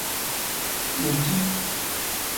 Yeki.